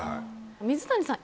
水谷さん。